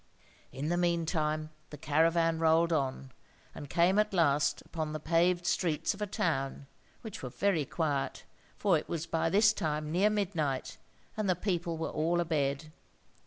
In the meantime the caravan rolled on, and came at last upon the paved streets of a town, which were very quiet; for it was by this time near midnight, and the people were all abed.